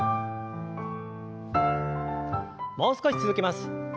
もう少し続けます。